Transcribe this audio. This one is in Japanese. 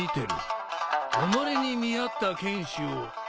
己に見合った剣士を選ぶ。